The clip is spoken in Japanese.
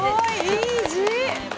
いい字！